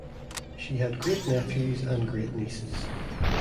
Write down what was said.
She had great-nephews and great-nieces.